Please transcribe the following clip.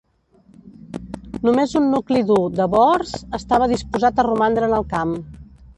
Només un nucli dur de bòers estava disposat a romandre en el camp.